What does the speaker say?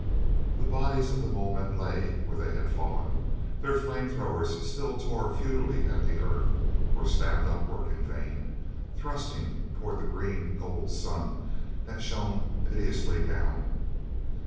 The bodies of the mole men lay where they had fallen; their flame throwers still tore futilely at the earth or stabbed upward in vain, thrusting toward the green gold sun that shone pitilessly down.